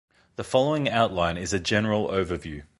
The following outline is a general overview.